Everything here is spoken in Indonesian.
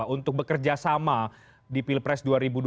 untuk bekerjasama di pilpres dua ribu dua puluh empat